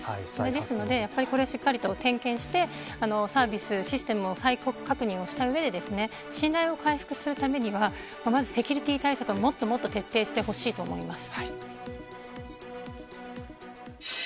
ですので、しっかりと点検してサービス、システムを再確認した上で信頼を回復するためにはまずセキュリティー対策をもっと徹底してほしいと思います。